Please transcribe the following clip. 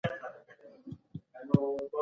خبر بايد دقيق او کره وي.